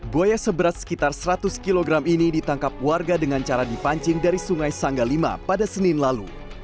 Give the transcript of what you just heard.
buaya seberat sekitar seratus kg ini ditangkap warga dengan cara dipancing dari sungai sangga v pada senin lalu